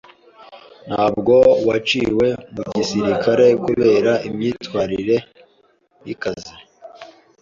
Ntabwo waciwe mu gisirikare kubera imyitwarire ikaze.